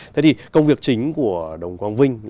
thế thì công việc chính của đồng quang vinh